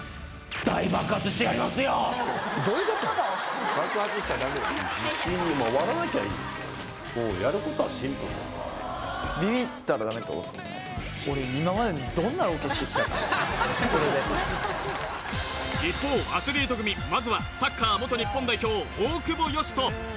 爆発したらダメ一方アスリート組まずはサッカー元日本代表大久保嘉人